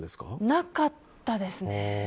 なかったですね。